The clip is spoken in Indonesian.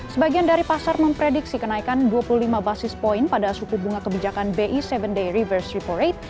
sebagian dari pasar memprediksi kenaikan dua puluh lima basis point pada suku bunga kebijakan bi tujuh day reverse repo rate